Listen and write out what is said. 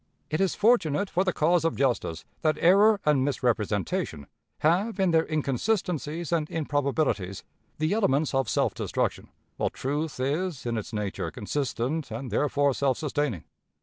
It is fortunate for the cause of justice that error and misrepresentation have, in their inconsistencies and improbabilities, the elements of self destruction, while truth is in its nature consistent and therefore self sustaining.